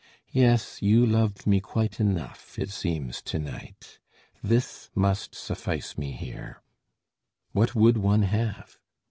Yes, You loved me quite enough, it seems to night. This must suffice me here. What would one have?